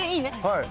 はい。